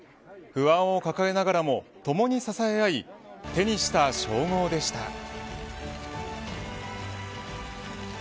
不安を抱えながらもともに支え合い手にした称号でした。